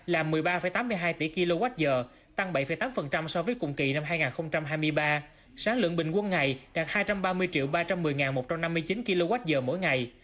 là một mươi ba tám mươi hai tỷ kwh tăng bảy tám so với cùng kỳ năm hai nghìn hai mươi ba sáng lượng bình quân ngày đạt hai trăm ba mươi ba trăm một mươi một trăm năm mươi chín kwh mỗi ngày